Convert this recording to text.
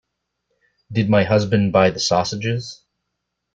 Did my husband buy the sausages?